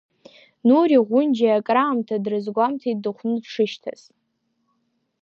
Нури Ӷәынџьиа акраамҭа дрызгәамҭаӡеит дыхәны дшышьҭаз.